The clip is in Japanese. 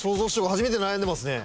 初めて悩んでますね。